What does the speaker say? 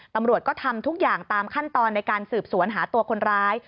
ตำรวจก็ทำทุกอย่างตามขั้นตอนในการสืบสวนหาตัวคนร้าย